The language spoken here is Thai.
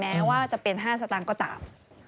แม้ว่าจะเป็น๕สตางค์ก็ตาม